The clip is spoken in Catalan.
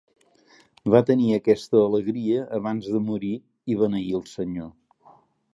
Va tenir aquesta alegria abans de morir i beneí el Senyor.